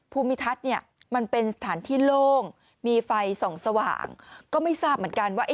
ภูมิทัศน์เนี่ยมันเป็นสถานที่โล่งมีไฟส่องสว่างก็ไม่ทราบเหมือนกันว่า